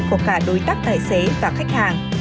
của cả đối tác tài xế và khách hàng